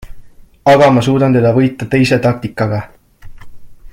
Aga ma suudan teda võita teise taktikaga.